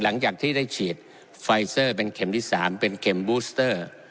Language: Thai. หลังจากที่ได้ฉีดไฟเซอร์เป็นเข็มที่๓เป็นเข็มบูสเตอร์